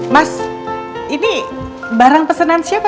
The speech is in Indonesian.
mas ini barang pesanan siapa